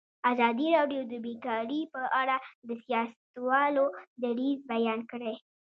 ازادي راډیو د بیکاري په اړه د سیاستوالو دریځ بیان کړی.